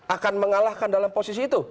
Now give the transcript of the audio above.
akan mengalahkan dalam posisi itu